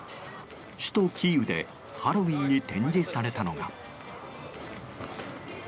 首都キーウで、ハロウィーンに展示されたのが。